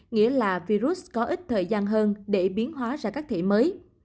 nghĩa là virus có ít thời gian hơn để biến hóa ra các thể mới